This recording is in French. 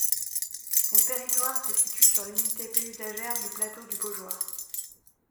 Son territoire se situe sur l'unité paysagère du plateau du Baugeois.